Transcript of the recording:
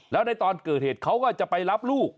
แล้วในตอนเกิดเหตุเขาก็จะไปรับลูก